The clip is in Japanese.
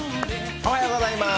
おはようございます。